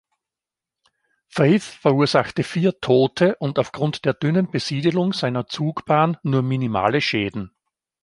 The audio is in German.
Faith verursachte vier Tote und aufgrund der dünnen Besiedlung seiner Zugbahn nur minimale Schäden.